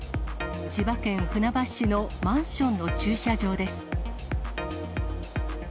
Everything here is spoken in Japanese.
千葉県船橋市のマンションの駐車場です。